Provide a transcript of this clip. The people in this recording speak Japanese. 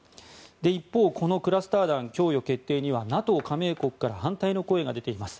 一方、このクラスター弾供与決定にはＮＡＴＯ加盟国から反対の声が出ています。